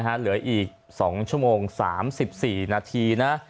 เหลืออีก๒ชั่วโมง๓๔นาทีนะ